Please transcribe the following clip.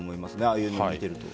ああいうのを見ていると。